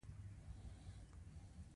_ته بد اخلاقه يې، نيکه ته دې وايم.